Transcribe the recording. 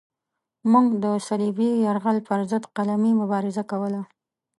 موږ د صلیبي یرغل پرضد قلمي مبارزه کوله.